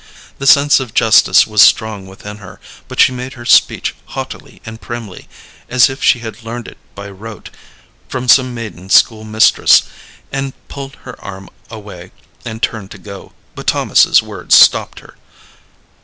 The sense of justice was strong within her, but she made her speech haughtily and primly, as if she had learned it by rote from some maiden school mistress, and pulled her arm away and turned to go; but Thomas's words stopped her.